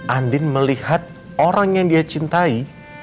andin melihat orang yang dia cintai